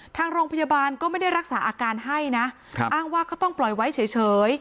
ทางโรงพยาบาลก็ไม่ได้รักษาอาการให้นะอ้างว่าก็ต้องปล่อยไว้เฉย